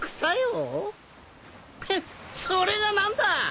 ヘッそれが何だ